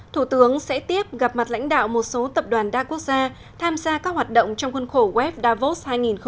thủ tướng sẽ tiếp gặp mặt lãnh đạo một số tập đoàn đa quốc gia tham gia các hoạt động trong khuôn khổ wef davos hai nghìn một mươi chín